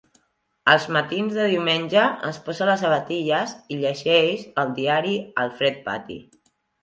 Els matins de diumenge, es posa les sabatilles i llegeix el diari al fred pati.